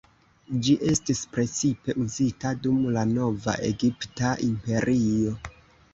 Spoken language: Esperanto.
Ĝi estis precipe uzita dum la Nova Egipta Imperio.